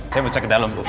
saya mau cek ke dalam